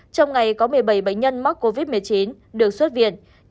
trong ngày có một mươi bảy bệnh nhân mắc covid một mươi chín được xuất viện